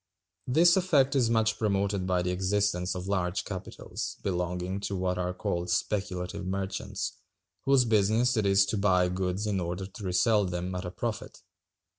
This effect is much promoted by the existence of large capitals, belonging to what are called speculative merchants, whose business it is to buy goods in order to resell them at a profit.